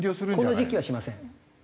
この時期はしません。